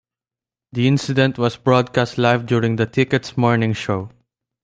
The incident was broadcast live during The Ticket's morning show.